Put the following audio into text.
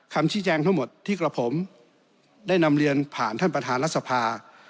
คำชี้แจงทั้งหมดที่กระผมได้นำเรียนผ่านท่านประธานรัฐสภา